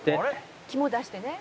「肝出してね」